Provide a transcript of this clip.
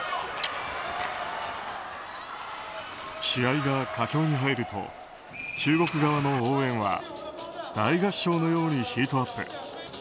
試合が佳境に入ると中国側の応援は大合唱のようにヒートアップ。